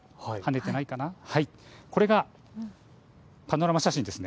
これがパノラマ写真です。